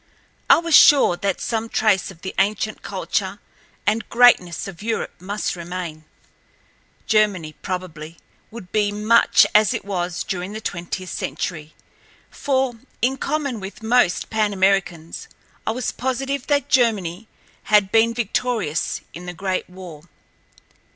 I was sure that some trace of the ancient culture and greatness of Europe must remain. Germany, probably, would be much as it was during the twentieth century, for, in common with most Pan Americans, I was positive that Germany had been victorious in the Great War.